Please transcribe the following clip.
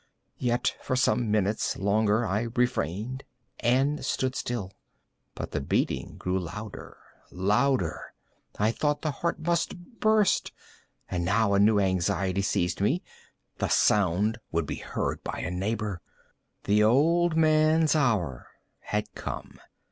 Yet, for some minutes longer I refrained and stood still. But the beating grew louder, louder! I thought the heart must burst. And now a new anxiety seized me—the sound would be heard by a neighbour! The old man's hour had come!